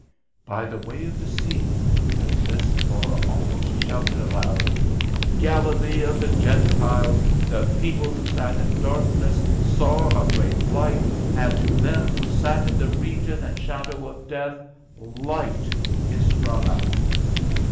"By the way of the sea," and this Laura almost shouted aloud, "Galilee of the Gentiles, the people who sat in darkness saw a great light, and to them who sat in the region and shadow of death light is sprung up."